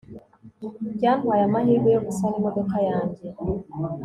byantwaye amahirwe yo gusana imodoka yanjye